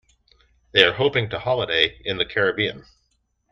They are hoping to holiday in the Caribbean.